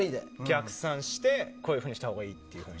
逆算してこういうふうにしたほうがいいっていう。